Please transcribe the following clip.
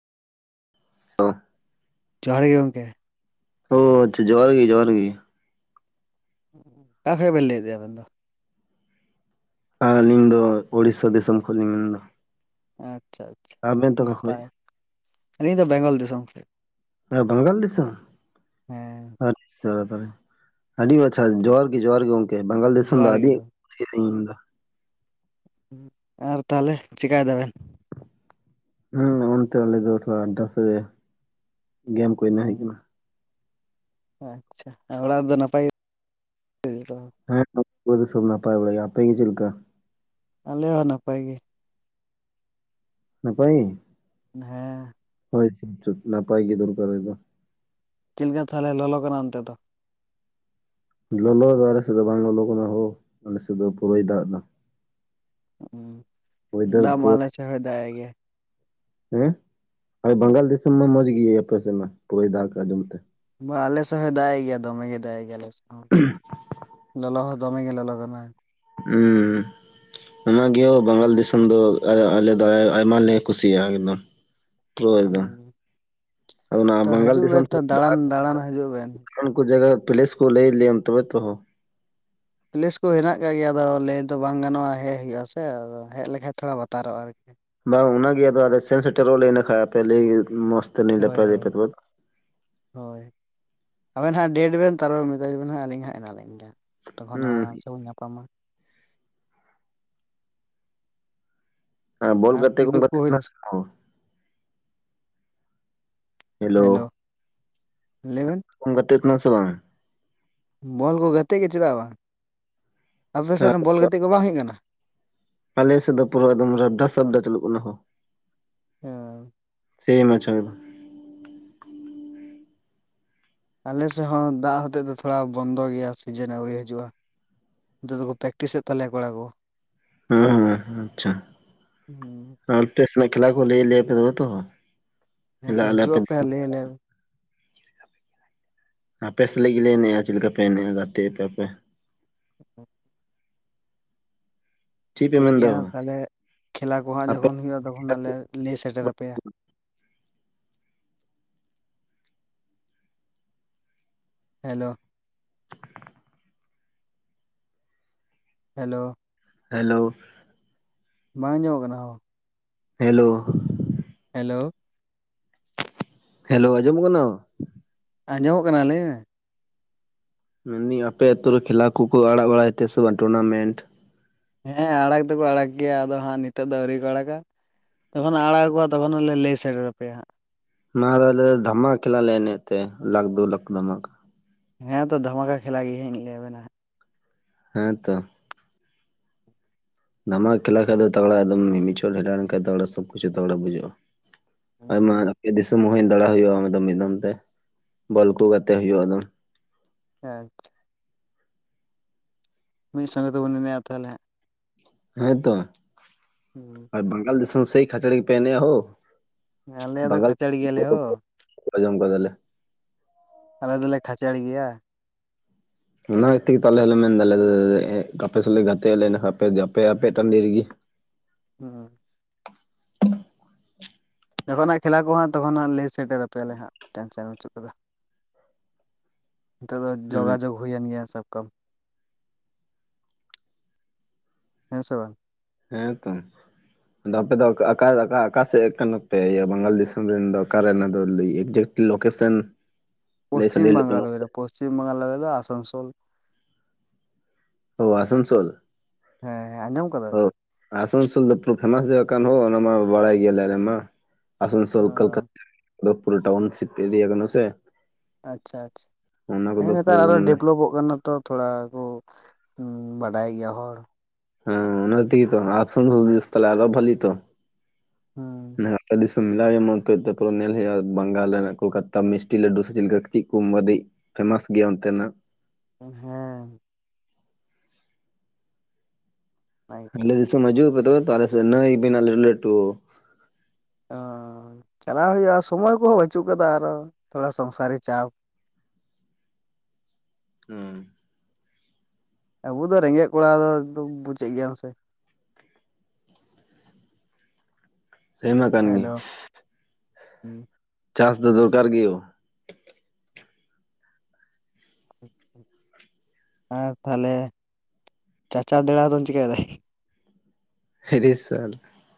ᱦ [unintelligible] ᱡᱚᱦᱟᱨ ᱜᱮ ᱜᱚᱢᱠᱮ, ᱚ ᱟᱪᱪᱷᱟ, ᱡᱚᱦᱟᱨ ᱜᱮ ᱡᱚᱦᱟᱨ ᱜᱮ ᱚᱠᱟ ᱠᱷᱚᱡ ᱵᱮᱱ ᱞᱟᱹᱭ ᱫᱟ ᱟᱵᱚᱱ ᱫᱚ? ᱟᱹᱞᱤᱧ ᱫᱚ ᱩᱤᱥᱥᱟ ᱫᱤᱥᱚᱢ ᱠᱷᱚᱱ ᱞᱤᱧ ᱢᱮᱱ ᱫᱟ᱾ ᱟᱪᱪᱷᱟ ᱟᱪᱪᱷᱟ ᱱᱟᱯᱟᱭ, ᱟᱹᱞᱤᱧ ᱫᱚ ᱵᱮᱝᱜᱚᱞ ᱫᱤᱥᱚᱢ ᱠᱷᱚᱡ ᱾ ᱦᱳᱭ ᱵᱮᱝᱜᱚᱞ ᱫᱤᱥᱚᱢ ᱦᱮᱸ ᱟᱪᱪᱷᱟ, ᱛᱟ ᱛᱟᱲᱤ ᱟᱹᱰᱤ ᱟᱪᱪᱷᱟ [unintelligible] ᱡᱚᱸᱦᱟᱨ ᱜᱮ ᱡᱚᱸᱦᱟᱨ ᱜᱮ ᱜᱚᱝᱠᱮ ᱵᱮᱝᱜᱚᱞ ᱫᱤᱥᱚᱢ ᱫᱚ ᱡᱚᱦᱟᱨ ᱜᱮ ᱟᱹᱰᱤᱧ ᱡᱚᱦᱟᱨ [unintelligible] ᱟᱨ ᱛᱟᱦᱚᱞᱮ ᱪᱮᱠᱟᱭ ᱫᱟᱵᱮᱱ? ᱦᱮᱸ ᱱᱤᱜ-ᱚᱱᱛᱮ ᱟᱞᱮ ᱫᱚ ᱛᱷᱚᱲᱟ ᱰᱟᱥ [unintelligible] ᱨᱮ ᱜᱮᱢ ᱠᱚ ᱮᱱᱮᱡ ᱦᱩᱭᱩᱜ ᱠᱟᱱᱟ᱾ ᱚ ᱟᱪᱪᱷᱟ, ᱟᱨ ᱚᱲᱟᱜ ᱨᱮᱫᱚ ᱱᱟᱯᱟᱭ ᱜᱮ? [unintelligible] ᱦᱮᱸ ᱱᱤᱛ ᱫᱚ ᱥᱚᱵ [unintelligible] ᱱᱟᱯᱟᱭ ᱵᱟᱲᱟ ᱜᱮ ᱾ᱟᱯᱮ ᱜᱮ ᱪᱮᱫ ᱞᱮᱠᱟ? ᱟᱞᱮ ᱦᱚᱸ ᱱᱟᱯᱟᱭ ᱜᱮ᱾ ᱱᱟᱯᱟᱹᱭ ᱜᱮ? ᱦᱮᱸ ᱾ ᱦᱳᱣ ᱪᱮᱫ [unintelligible] ᱱᱟᱯᱟᱭ ᱜᱮ ᱫᱚᱨᱠᱟᱨᱟ [unintelligible] ᱫᱚ᱾ ᱪᱮᱫ ᱞᱮᱠᱟ ᱛᱟᱦᱚᱞᱮ ᱞᱚᱞᱚ ᱠᱟᱱᱟ ᱚᱱᱛᱮ ᱫᱚ? ᱞᱚᱞᱚ ᱫᱚ ᱟᱞᱮ ᱥᱮᱫ ᱫᱚ ᱵᱟᱝ ᱞᱚᱞᱚ ᱠᱟᱱᱟ ᱦᱳ, ᱟᱞᱮ ᱥᱮᱫ ᱫᱚ ᱯᱩᱨᱟᱹᱭ ᱫᱟᱜ ᱫᱟ᱾ ᱚ, ᱚᱭᱮᱫᱟᱨ ᱫᱟᱜ ᱢᱟ ᱯᱩᱨᱟᱹ ᱟᱞᱮ ᱥᱮᱫ ᱦᱚᱭ ᱫᱟᱜ ᱮᱜ ᱜᱮ ᱾ ᱦᱮᱸ, ᱵᱮᱝᱜᱚᱞ ᱫᱤᱥᱚᱢ ᱢᱟ ᱢᱚᱸᱡᱽ ᱜᱮ ᱟᱯᱮ ᱥᱮᱫ ᱢᱟ ᱯᱩᱨᱟᱹ ᱫᱟᱜ ᱟᱸᱡᱚᱢ ᱛᱮ᱾ ᱵᱟ ᱟᱞᱮ ᱥᱮᱫ ᱦᱚᱭ ᱫᱟᱜ ᱜᱮᱭᱟ ᱫᱚᱢᱮ ᱜᱮ ᱫᱟᱜ ᱮᱫ ᱜᱮᱭᱟᱭ ᱟᱞᱮ ᱥᱮᱫ ᱦᱚ᱾ ᱞᱚᱞᱚ ᱦᱚᱸ ᱫᱚᱢᱮ ᱜᱮ ᱞᱚᱞᱚ ᱠᱟᱱᱟ, ᱩᱸ ᱻ ᱚᱱᱟᱜᱮ ᱦᱳ ᱵᱮᱝᱜᱚᱞ ᱫᱤᱥᱚᱢ ᱫᱚ [unintelligible] ᱟᱞᱮ ᱫᱚ ᱟᱭᱢᱟ ᱞᱮ ᱠᱩᱥᱤᱭᱟᱜᱼᱟ ᱮᱠᱫᱚᱢ᱾ [unintelligible] ᱮᱠᱫᱚᱢ ᱦᱩᱸ ᱟᱫᱚ ᱚᱱᱟ ᱛᱚ ᱵᱮᱝᱜᱚᱞ ᱦᱤᱡᱩᱜ ᱫᱤᱥᱚᱢ ᱵᱮᱱ ᱛᱚ ᱥᱮᱫ ᱫᱟᱬᱟᱱ ᱫᱟᱬᱟᱱ [inaudible] ᱦᱤᱡᱩᱜ ᱵᱮᱱ ᱚᱱᱠᱟᱱ ᱠᱩ ᱡᱟᱭᱜᱟ ᱯᱞᱮᱥ ᱠᱚ ᱞᱟᱹᱭ ᱟᱞᱮᱭᱟᱢ ᱛᱚᱵᱮ ᱛᱚ ᱦᱳ ᱾ ᱯᱞᱮᱥ ᱠᱚ ᱦᱮᱱᱟᱜ ᱟᱠᱟᱫ ᱜᱮᱭᱟ, ᱟᱫᱚ ᱞᱟᱹᱭ ᱫᱚ ᱵᱟᱝ ᱜᱟᱱᱚᱜᱼᱟ ᱦᱮᱡ ᱦᱩᱭᱩᱜᱼᱟ ᱥᱮ, ᱟᱫᱚ ᱦᱮᱡ ᱞᱮᱠᱷᱟᱱ ᱛᱷᱚᱲᱟ ᱵᱟᱛᱟᱨᱚᱜᱼᱟ ᱟᱨᱠᱤ᱾ ᱵᱟᱝ ᱚᱱᱟᱜᱮ, ᱟᱫᱚ ᱟᱞᱮ ᱥᱮᱱ ᱥᱮᱴᱮᱨᱚᱜ ᱞᱮ ᱤᱱᱟᱹ ᱠᱷᱟᱡ ᱟᱯᱮ ᱞᱟᱹᱭ ᱢᱚᱸᱥ ᱦᱳᱣ ᱦᱳᱣ ᱾ ᱦᱳᱣ, ᱟᱵᱮᱱ ᱦᱟᱜ ᱰᱮᱴ ᱵᱮᱱ ᱛᱟᱨᱯᱚᱨᱮ ᱢᱮᱛᱟᱧ ᱵᱮᱱ ᱦᱟᱜ ᱟᱹᱞᱤᱧ ᱦᱟᱸᱜ ᱢᱮᱱᱟᱞᱤᱧ ᱜᱮᱭᱟ ᱾ ᱛᱚᱠᱷᱚᱱ ᱦᱩᱸ ᱟᱨᱟᱢ ᱥᱮ ᱵᱚᱱ ᱧᱟᱯᱟᱢᱟ᱾ ᱦᱮᱸ ᱵᱚᱞ ᱟᱨ ᱜᱟᱛᱮ ᱠᱚ [inaudible] ᱠᱤᱫᱩᱵ ᱦᱩᱭᱱᱟ ᱦᱮᱞᱳ, ᱞᱟᱹᱭ ᱵᱮᱱ ᱾ ᱠᱚᱢ ᱜᱮᱟᱛᱜ ᱠᱟᱱᱟ ᱥᱮ ᱵᱟᱝ? ᱵᱚᱞ ᱠᱚ ᱜᱟᱛᱮᱜ ᱜᱮ ᱪᱮᱫᱟᱜ ᱵᱟᱝ, ᱟᱯᱮ ᱥᱮᱫ ᱨᱮᱱ ᱵᱚᱞ ᱜᱟᱛᱮᱜ ᱠᱚ ᱵᱟᱝ ᱦᱩᱭᱩᱜ ᱠᱟᱱᱟ? ᱟᱞᱮ ᱥᱮᱫ ᱫᱚ ᱯᱩᱨᱟᱹ ᱮᱠᱫᱚᱢ ᱨᱟᱵᱫᱟ ᱥᱟᱵᱰᱟ ᱪᱟᱹᱞᱩᱜ ᱠᱟᱱᱟ ᱦᱳ᱾ [unintelligible] ᱥᱮᱭ ᱢᱟᱪᱚ [unintelligible] ᱟᱞᱮ ᱥᱮᱫ ᱦᱚᱸ ᱫᱟᱜ ᱦᱚᱛᱮᱫ ᱫᱚ ᱛᱷᱚᱲᱟ ᱵᱚᱱᱫᱚ ᱜᱮᱭᱟ ᱥᱤᱡᱤᱱ ᱟᱹᱣᱨᱤ ᱦᱤᱡᱩᱜᱼᱟ᱾‌ ᱱᱤᱛᱚᱜ ᱫᱚᱠᱚ ᱯᱨᱮᱠᱴᱤᱥ ᱮᱫ ᱛᱟᱞᱮᱭᱟ ᱠᱚᱲᱟ ᱠᱚ᱾ ᱦᱩᱸ ᱦᱩᱸ ᱦᱩᱸ, ᱟᱪᱪᱷᱟ ᱾ ᱟᱯᱮ ᱥᱮᱱᱟᱜ ᱠᱷᱮᱞᱟ ᱠᱚ ᱞᱟᱹᱭ ᱟᱞᱮᱭᱟᱯᱮ ᱛᱚᱵᱮ ᱛᱚ, ᱦᱮᱸ ᱛᱚ ᱦᱮᱞᱟᱜ ᱟᱞᱮ ᱦᱤᱡᱩᱜ ᱟᱯᱮ ᱫᱤᱥᱚᱢ ᱾ ᱞᱟᱹᱭ ᱟᱞᱮ ᱟᱯᱮ ᱥᱟᱞᱮᱜ ᱜᱮᱞᱮ ᱮᱱᱮᱡᱼᱟ ᱪᱮᱫ ᱞᱮᱠᱟᱯᱮ ᱮᱱᱮᱡᱼᱟ ᱜᱟᱛᱮᱜ ᱟᱯᱮ ᱟᱯᱮ ᱾ [unintelligible] ᱪᱮᱫ ᱯᱮ ᱴᱷᱤᱠ ᱢᱮᱱ ᱫᱟ ᱜᱮᱭᱟ ᱛᱟᱦᱚᱞᱮ ᱠᱷᱮᱞᱟ ᱠᱚ ᱦᱟᱸᱜ ᱟᱯᱮ ᱡᱚᱠᱷᱚᱱ ᱦᱩᱭᱩᱜᱼᱟ ᱛᱚᱠᱷᱚᱱ ᱦᱟᱸᱜ ᱞᱮ ᱞᱟᱹᱭ ᱥᱮᱴᱮᱨ ᱟᱯᱮᱭᱟ ᱾ ᱦᱮᱞᱳ ᱾ ᱦᱮᱞᱳ ᱾ ᱦᱮᱞᱳ ᱾ ᱵᱟᱝ ᱟᱸᱡᱚᱢᱚᱜ ᱠᱟᱱᱟ ᱦᱳ? ᱦᱮᱞᱳ ᱾ ᱦᱮᱞᱳ ᱾ ᱦᱮᱞᱳ, ᱟᱸᱡᱚᱢ ᱠᱟᱱᱟ? ᱟᱸᱡᱚᱢᱚᱜ ᱠᱟᱱᱟ ᱞᱟᱹᱭ ᱢᱮ? ᱢᱮᱱᱫᱟᱹᱧ ᱟᱯᱮ ᱟᱹᱛᱩ ᱨᱮ ᱠᱷᱮᱞᱟ ᱠᱚᱠᱚ ᱟᱲᱟᱜ ᱵᱟᱲᱟᱭ ᱛᱮ ᱥᱮ ᱵᱟᱝ ᱴᱩᱨᱱᱟᱢᱮᱱᱴ? ᱦᱮᱸ ᱟᱲᱟᱜᱽ ᱫᱚᱠᱚ ᱟᱲᱟᱜᱽ ᱜᱮᱭᱟ ᱟᱫᱚ ᱦᱟᱸᱜ ᱱᱤᱛᱚᱜ ᱫᱚ ᱟᱹᱣᱨᱤ ᱠᱚ ᱟᱲᱟᱜᱟ᱾ ᱛᱚᱠᱷᱚᱱ ᱦᱟᱸᱜ ᱟᱲᱟᱜ ᱚᱠᱚ ᱛᱚᱠᱷᱚᱱ ᱞᱮ ᱞᱟᱹᱭ ᱥᱮᱴᱮᱨ ᱟᱯᱮᱭᱟ ᱦᱟᱸᱜ᱾ ᱞᱟᱦᱟ ᱦᱤᱞᱚᱜ ᱞᱮ ᱫᱷᱟᱢᱟ ᱠᱷᱮᱞᱟ ᱞᱮ ᱮᱱᱮᱡ ᱮᱱ ᱛᱮ ᱞᱟᱠᱷ ᱫᱩ ᱞᱟᱠᱷ ᱫᱷᱟᱢᱟᱠᱟ᱾ ᱦᱮᱸ ᱛᱚ ᱫᱷᱟᱢᱟᱠᱟ ᱠᱷᱮᱞᱟ ᱜᱮ ᱦᱟᱸᱜ ᱤᱧ ᱞᱟᱹᱭ ᱟᱵᱮᱱᱟ ᱦᱟᱸᱜ᱾ ᱦᱮᱸ ᱛᱚ᱾ ᱫᱷᱟᱢᱟᱠᱟ ᱠᱷᱮᱞᱟ ᱠᱷᱟᱱ ᱫᱚ ᱛᱟᱜᱲᱟ ᱮᱠᱫᱚᱢ ᱢᱤᱫᱪᱷᱚᱫ ᱞᱮᱸᱰᱟ ᱞᱮᱱᱠᱷᱟᱱ ᱫᱚ ᱥᱚᱵ ᱠᱤᱪᱷᱩ ᱛᱟᱜᱲᱟ ᱵᱩᱡᱟᱹᱜᱼᱟ᱾ ᱟᱭᱢᱟ ᱦᱟᱸᱜ ᱟᱯᱮ ᱫᱤᱥᱚᱢ ᱦᱚᱸ᱾ ᱦᱳᱭ ᱞᱟᱲᱟᱜ ᱦᱚᱭᱚᱜᱼᱟ ᱢᱤᱫ ᱫᱚᱢ ᱛᱮ ᱵᱚᱞ ᱠᱚ ᱜᱟᱛᱮᱜ ᱦᱳᱭᱳᱜᱼᱟ ᱟᱫᱚ᱾ ᱦᱮᱸ ᱟᱪᱪᱷᱟ᱾ ᱢᱤᱫ ᱥᱚᱸᱜᱮ ᱛᱮᱵᱚᱱ ᱮᱱᱮᱡᱼᱟ ᱛᱟᱦᱚᱞᱮ᱾ ᱦᱮᱸᱛᱚ᱾ [inaudible] ᱟᱨ ᱵᱟᱝᱜᱟᱞ ᱫᱮᱥᱚᱢ ᱥᱮᱭ ᱠᱷᱟᱛᱨᱟ ᱜᱮ ᱯᱮ ᱮᱱᱮᱡᱼᱟ ᱦᱳ᱾ ᱟᱞᱮ ᱫᱚ ᱠᱷᱟᱪᱮᱲ ᱜᱮᱭᱟᱞᱮ ᱦᱳ᱾ ᱟᱡᱚᱢ ᱠᱟᱫᱟᱞᱮ᱾ ᱟᱞᱮ ᱫᱚᱞᱮ ᱠᱷᱟᱪᱮᱲ ᱜᱮᱭᱟ᱾ ᱚᱱᱟ ᱛᱮᱜᱮ ᱛᱚ ᱟᱞᱮ ᱦᱚᱞᱮ ᱢᱮᱱ ᱫᱟᱞᱮ ᱟᱯᱮ ᱥᱟᱞᱟᱜ ᱜᱟᱛᱮ ᱟᱞᱮ ᱮᱱᱟ ᱠᱷᱟᱱ ᱟᱯᱮ ᱟᱯᱮ ᱴᱟᱺᱰᱤ ᱨᱮᱜᱮ ᱦᱮᱸ ᱡᱚᱠᱷᱚᱱ ᱦᱟᱜ ᱠᱷᱮᱞᱟ ᱠᱚ ᱦᱟᱸᱜ ᱛᱚᱠᱷᱚᱱ ᱦᱟᱸᱜ ᱞᱟᱹᱭ ᱥᱮᱴᱮᱨ ᱟᱯᱮᱭᱟᱞᱮ ᱦᱟᱸᱜ ᱴᱮᱱᱥᱮᱱ ᱵᱟᱪᱩᱜ ᱠᱟᱫᱟ᱾ ᱱᱚᱛᱮ ᱫᱚ ᱦᱩᱸ ᱡᱚᱜᱟᱡᱚᱜᱽ ᱦᱩᱭᱮᱱ ᱜᱮᱭᱟ ᱥᱟᱵ ᱠᱟᱢ᱾ ᱦᱮᱸ ᱥᱮ ᱵᱟᱝ? ᱦᱮᱸᱛᱚ ᱦᱮᱸ᱾ ᱟᱫᱚ ᱟᱯᱮ ᱫᱚ ᱟᱠᱟ ᱟᱠᱟ ᱚᱠᱟᱥᱮᱫ ᱠᱟᱱᱟ ᱯᱮ ᱤᱭᱟᱹ ᱵᱟᱝᱜᱟᱞ ᱫᱤᱥᱚᱢ ᱨᱮᱱ ᱫᱚ ᱚᱠᱟᱨᱮᱱ ᱟᱫᱚ ᱞᱟᱹᱭ ᱮᱠᱴᱩ ᱞᱳᱠᱮᱥᱮᱱ ᱯᱚᱥᱪᱤᱢ ᱵᱟᱝᱜᱟᱞ ᱟᱞᱮ ᱫᱚ ᱯᱚᱥᱪᱤᱢ ᱵᱟᱝᱜᱟᱞ ᱟᱞᱮ ᱫᱚ ᱟᱥᱟᱱᱥᱳᱞ᱾ ᱚ ᱟᱥᱟᱱᱥᱳᱞ᱾ ᱦᱮᱸ ᱦᱮᱸ ᱟᱸᱡᱚᱢ ᱟᱠᱟᱫᱟ᱾ ᱚ ᱟᱥᱟᱱᱥᱳᱞ ᱫᱚ ᱯᱩᱨᱟ ᱯᱷᱮᱢᱟᱥ ᱡᱟᱭᱜᱟ ᱠᱟᱱ ᱦᱳ ᱚᱱᱟ ᱢᱟ ᱵᱟᱲᱟᱭ ᱜᱮᱭᱟᱞᱮ ᱟᱞᱮ ᱢᱟ᱾ ᱟᱥᱟᱱᱥᱳᱞ ᱚ ᱠᱚᱞᱠᱟᱛᱟ ᱯᱩᱨᱟ ᱴᱟᱣᱩᱱᱥᱯᱤᱯ ᱮᱨᱤᱭᱟ ᱠᱟᱱᱟ ᱥᱮ᱾ ᱟᱪᱪᱷᱟ ᱟᱪᱪᱷᱟ ᱚᱱᱟ ᱦᱮᱸ ᱠᱚᱫᱚ ᱯᱩᱨᱟᱹ ᱱᱮᱛᱟᱨ ᱫᱚ ᱟᱨᱚ ᱢᱟᱱᱮ ᱰᱮᱵᱷᱞᱚᱯᱚᱜ ᱠᱟᱱᱟ ᱛᱚ᱾ ᱛᱷᱚᱲᱟ ᱠᱚ ᱵᱟᱰᱟᱭ ᱜᱮᱭᱟ ᱦᱚᱲ᱾ ᱦᱮᱸ ᱚᱱᱟ ᱛᱮ ᱜᱮ ᱛᱚ ᱟᱥᱟᱱᱥᱳᱞ [unintelligible] ᱛᱟᱦᱚᱞᱮ ᱟᱨᱳ ᱵᱷᱟᱞᱤ ᱛᱚ᱾ ᱦᱩᱸ ᱢᱟᱱᱮ ᱟᱯᱮ ᱰᱤᱥ [unintelligible] ᱦᱮᱞᱟᱜ ᱦᱚᱭᱚᱜᱼᱟ ᱢᱚᱡ ᱠᱚᱛ ᱛᱮ ᱛᱟᱨᱯᱚᱨᱮ ᱧᱮᱞ ᱦᱩᱭᱩᱜᱼᱟ ᱵᱟᱝᱜᱟᱞ ᱨᱮᱱᱟᱜ ᱠᱚᱞᱠᱟᱛᱟ ᱢᱤᱥᱴᱤ ᱞᱟᱹᱰᱩ ᱥᱮ ᱪᱮᱫ ᱞᱮᱠᱟ ᱪᱮᱫ ᱠᱚᱢ ᱵᱟᱫᱮ ᱯᱷᱮᱢᱟᱥ ᱜᱮᱭᱟ ᱚᱱᱛᱮᱱᱟᱜ᱾ ᱦᱮᱸ [unintelligible] ᱟᱞᱮ ᱫᱤᱥᱚᱢ ᱦᱟᱡᱩᱜ ᱟᱯᱮ ᱛᱚᱵᱮ ᱛᱚ ᱟᱞᱮ ᱥᱮᱜ ᱱᱟᱹᱭ ᱢᱮᱱᱟᱜ ᱞᱟᱹᱴᱩ ᱞᱟᱹᱴᱩ᱾ ᱚ ᱪᱟᱞᱟᱣ ᱦᱩᱭᱩᱜᱼᱟ ᱥᱚᱢᱚᱭ ᱠᱚᱦᱚᱸ ᱵᱟᱹᱪᱩᱜ ᱠᱟᱫᱟ ᱟᱨᱚ ᱛᱷᱚᱲᱟ ᱥᱚᱝᱥᱟᱨᱤ ᱪᱟᱯ᱾ ᱦᱩᱸ ᱟᱵᱚ ᱫᱚ ᱨᱮᱸᱜᱮᱡ ᱠᱚᱲᱟ ᱫᱚ ᱮᱠᱫᱚᱢ ᱵᱩᱡᱮᱜ ᱜᱮᱭᱟᱢ ᱥᱮ᱾ ᱥᱮᱨᱢᱟ ᱠᱟᱱ ᱜᱮ ᱦᱮᱞᱳ ᱦᱩᱸ᱾ ᱪᱟᱥ ᱫᱚ ᱫᱚᱨᱠᱟᱨ ᱜᱮᱭᱚ᱾ ᱦᱮᱸ ᱛᱟᱦᱚᱞᱮ ᱪᱟᱪᱟ ᱫᱮᱲᱚᱣᱟᱛᱟᱢ ᱪᱤᱠᱟᱹᱭ ᱫᱟᱭ? ᱦᱤᱨᱤ ᱥᱟᱞᱟ᱾